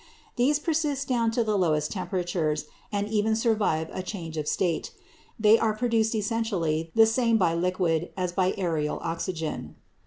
These persist down to the lowest temperatures, and even survive a change of state. They are produced essentially the same by liquid, as by aërial oxygen.